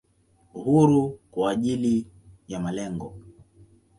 Uhuru kwa ajili ya malengo.